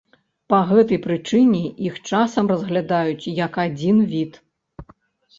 Па гэтай прычыне іх часам разглядаюць як адзін від.